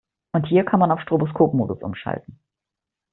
Und hier kann man auf Stroboskopmodus umschalten.